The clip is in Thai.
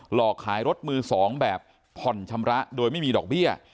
หลอกขายรถมือ๒แบบผ่อนชำระโดยไม่มีดอกเบี้ย